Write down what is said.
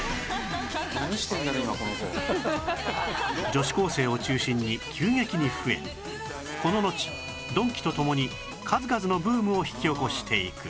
女子高生を中心に急激に増えこののちドンキと共に数々のブームを引き起こしていく